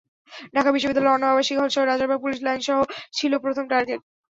ঢাকা বিশ্ববিদ্যালয়ের অন্য আবাসিক হলসহ রাজারবাগ পুলিশ লাইনস ছিল প্রথম টার্গেট।